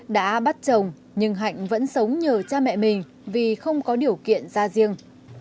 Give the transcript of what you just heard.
đã bắt chồng nhưng hạnh vẫn sống nhờ cha mẹ mình vì không có điều kiện ra riêng